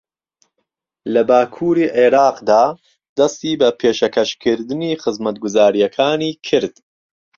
لە باکووری عێراقدا دەستی بە پێشەکەشکردنی خزمەتگوزارییەکانی کرد